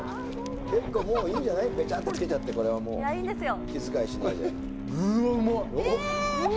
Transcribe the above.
結構、もういいんじゃない、べちゃっとつけちゃって、これはもう。いいんですよ。